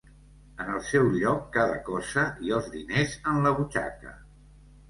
En el seu lloc cada cosa i els diners en la butxaca.